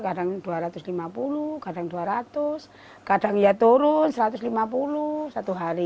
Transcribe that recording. kadang dua ratus lima puluh kadang dua ratus kadang ya turun satu ratus lima puluh satu hari